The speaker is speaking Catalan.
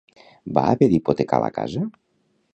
Va haver d'hipotecar la casa.